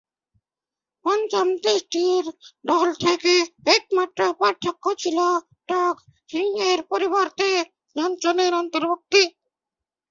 পঞ্চম টেস্টের দল থেকে একমাত্র পার্থক্য ছিল ডগ রিংয়ের পরিবর্তে জনসনের অন্তর্ভুক্তি।